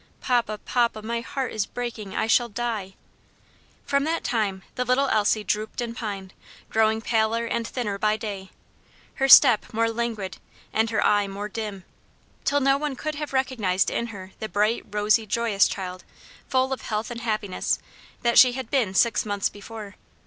Papa, papa, my heart is breaking! I shall die." From that time the little Elsie drooped and pined, growing paler and thinner day by day her step more languid, and her eye more dim till no one could have recognized in her the bright, rosy, joyous child, full of health and happiness, that she had been six months before.